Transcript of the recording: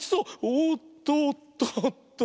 おっとっとっと！